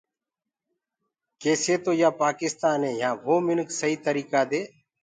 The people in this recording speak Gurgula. ڪيسي تو يآ پآڪستآني يهآنٚ وو منک سئيٚ تريٚڪآ دي